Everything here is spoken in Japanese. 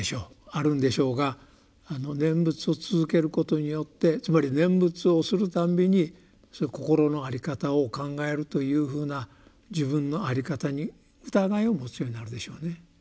あるんでしょうが念仏を続けることによってつまり念仏をするたんびにそういう心の在り方を考えるというふうな自分の在り方に疑いを持つようになるでしょうね。